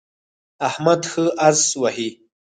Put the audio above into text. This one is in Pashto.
احمد ښه اس وهي.